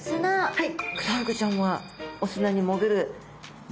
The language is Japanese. はい。